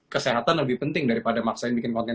kesehatan lebih penting daripada maksain bikin konten